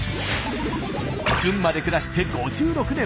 群馬で暮らして５６年。